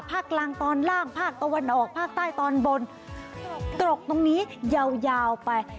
ภาคกลางตอนล่างภาคตะวันออกภาคใต้ตอนบนตรกตรงนี้ยาวยาวไป